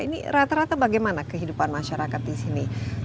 ini rata rata bagaimana kehidupan masyarakat disini